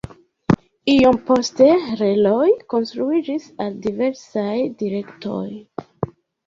Iom poste reloj konstruiĝis al diversaj direktoj.